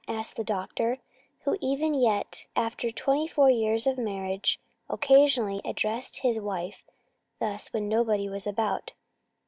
asked the doctor, who even yet, after twenty four years of marriage, occasionally addressed his wife thus when nobody was about.